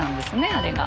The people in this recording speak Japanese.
あれが。